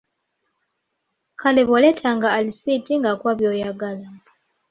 Kale bwe waleetanga alisiiti ng'akuwa byoyagala.